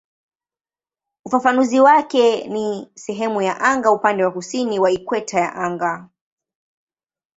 Ufafanuzi wake ni "sehemu ya anga upande wa kusini wa ikweta ya anga".